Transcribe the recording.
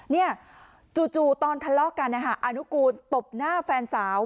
จู่ตอนทะเลาะกันนะฮะอนุกูลตบหน้าแฟนสาว